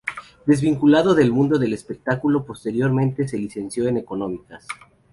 Desvinculado del mundo del espectáculo posteriormente se licenció en Económicas.